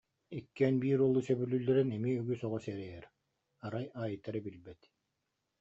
Иккиэн биир уолу сөбүлүүллэрин эмиэ үгүс оҕо сэрэйэр, арай Айта эрэ билбэт